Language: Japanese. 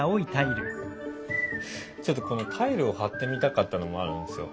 ちょっとこのタイルを貼ってみたかったのもあるんですよ。